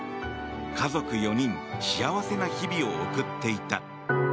家族４人幸せな日々を送っていた。